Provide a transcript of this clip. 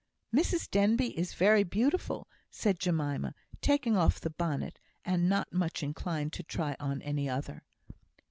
"Mrs Denbigh is very beautiful," said Jemima, taking off the bonnet, and not much inclined to try on any other.